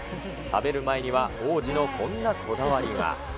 食べる前には王子のこんなこだわりが。